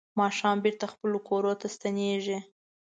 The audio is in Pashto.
ماښام بېرته خپلو کورونو ته ستنېږي.